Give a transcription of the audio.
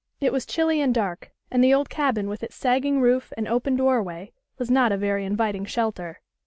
It was chilly and dark, and the old cabin with its sagging roof and open doorway was not a very inviting shelter.